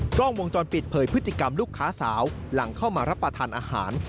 กล้องวงจรปิดเผยพฤติกรรมลูกค้าสาวหลังเข้ามารับประทานอาหาร